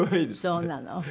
そうなの。